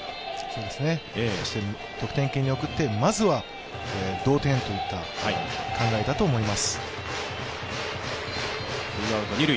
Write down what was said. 得点圏に送ってまずは同点といった考えだと思います。